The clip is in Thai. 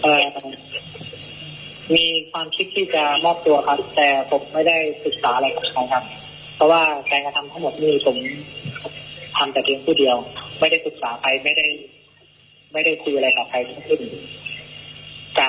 มีความคิดที่จะมอบตัวครับแต่ผมไม่ได้ศึกษาอะไรกับใครครับ